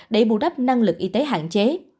để bù đắp năng lực y tế hạn chế